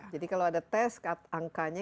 jadi kalau ada tes angkanya